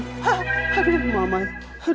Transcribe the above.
hah aduh mamang